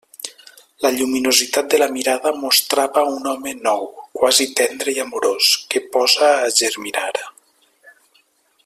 La lluminositat de la mirada mostrava un home nou, quasi tendre i amorós, que posa a germinar.